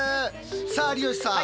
さあ有吉さん